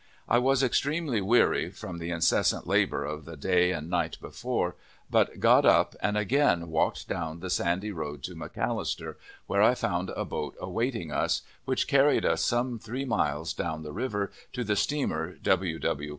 I was extremely weary from the incessant labor of the day and night before, but got up, and again walked down the sandy road to McAllister, where I found a boat awaiting us, which carried us some three miles down the river, to the steamer W.